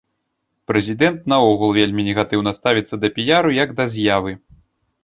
Прэзідэнт наогул вельмі негатыўна ставіцца да піяру як да з'явы.